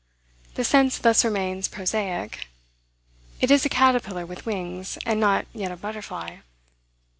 The sense thus remains prosaic. It is a caterpillar with wings, and not yet a butterfly.